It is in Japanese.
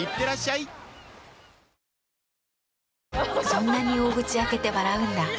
そんなに大口開けて笑うんだ。